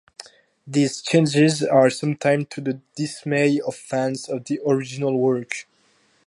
These changes are sometimes to the dismay of fans of the original work.